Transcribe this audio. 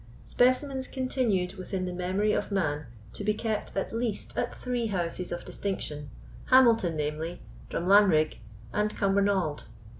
Specimens continued within the memory of man to be kept at least at three houses of distinction—Hamilton, namely, Drumlanrig, and Cumbernauld.